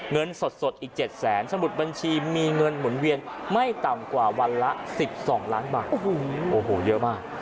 เงินสดอีก๗แสนสมุดบัญชีมีเงินหมุนเวียนไม่ต่ำกว่าวันละ๑๒ล้านบาทโอ้โหเยอะมาก